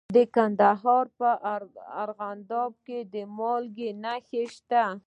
د کندهار په ارغنداب کې د مالګې نښې شته.